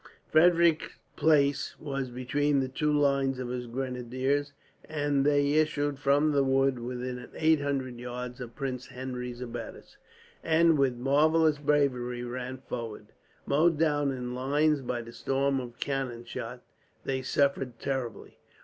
Frederick's place was between the two lines of his grenadiers, and they issued from the wood within eight hundred yards of Prince Henry's abattis, and with marvellous bravery ran forward. Mowed down in lines by the storm of cannon shot, they suffered terribly.